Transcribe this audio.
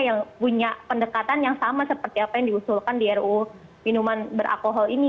yang punya pendekatan yang sama seperti apa yang diusulkan di ruu minuman beralkohol ini